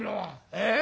「ええ？